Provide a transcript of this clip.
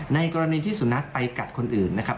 ในกรณีที่สุนัขไปกัดคนอื่นนะครับ